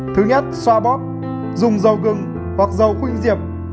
thứ nhất so bóp dùng dầu gừng hoặc dầu khuyên diệp